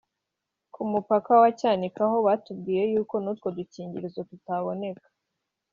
ku mupaka wa Cyanika ho batubwiye yuko n’utwo dukingirizo tutaboneka